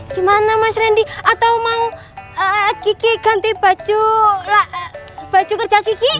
gimana mas randy atau mau kiki ganti baju kerja kiki